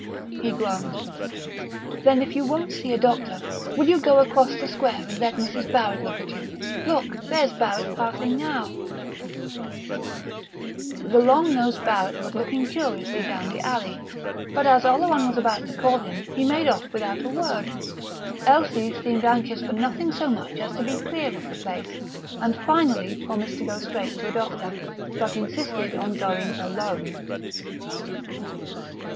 He groaned. "Then if you won't see a doctor, will you go across the square and let Mrs. Barrett look at you? Look, there's Barrett passing now " The long nosed Barrett was looking curiously down the alley, but as Oleron was about to call him he made off without a word. Elsie seemed anxious for nothing so much as to be clear of the place, and finally promised to go straight to a doctor, but insisted on going alone.